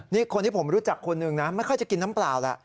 นี่คนที่ผมรู้จักคนหนึ่งนะไม่ค่อยจะกินน้ำเปล่าแล้ว